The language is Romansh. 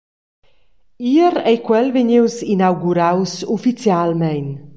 Ier ei quel vegnius inauguraus ufficialmein.